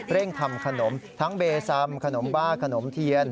เร่งทำขนมทั้งเบสำขนมบ้าขนมเทียน